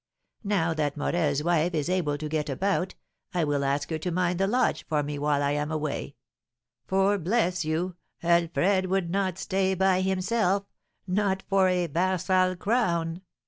Now that Morel's wife is able to get about, I will ask her to mind the lodge for me while I am away; for, bless you, Alfred would not stay by himself, not for a 'varsal crown!"